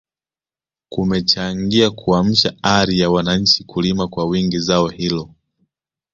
kumechangia kuamsha ari ya wananchi kulima kwa wingi zao hilo